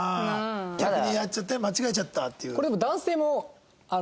逆にやっちゃって「間違えちゃった」っていう。